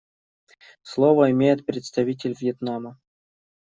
Слово имеет представитель Вьетнама.